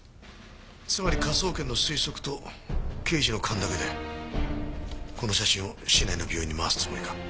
つまり科捜研の推測と刑事の勘だけでこの写真を市内の病院に回すつもりか？